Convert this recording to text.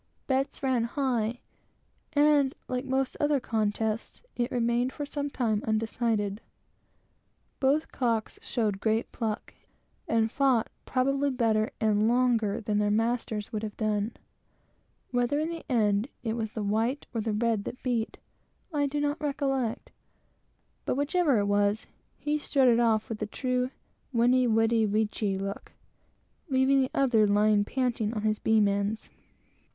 Bets ran high, and, like most other contests, it remained for some time undecided. They both showed great pluck, and fought probably better and longer than their masters would have done. Whether, in the end, it was the white or the red that beat, I do not recollect; but, whichever it was, he strutted off with the true veni vidi vici look, leaving the other lying panting on his beam ends.